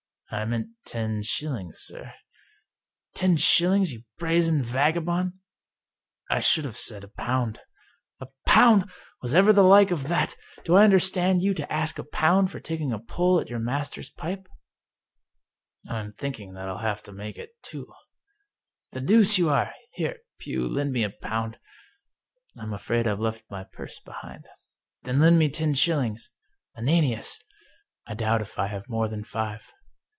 " I meant ten shillings, sir." " Ten shillings, you brazen vagabond? "" I should have said a pound." " A pound ! Was ever the like of that ! Do I understand you to ask a pound for taking a pull at your master's pipe? "" I'm thinking that I'll have to mak e it two." " The deuce you are ! Here, Pugh, lend me a pound." " I'm afraid I've left my purse behind." " Then lend me ten shillings — ^Ananias !"" I doubt if I have more than five."